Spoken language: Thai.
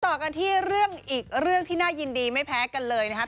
ต่อกันที่เรื่องอีกเรื่องที่น่ายินดีไม่แพ้กันเลยนะครับ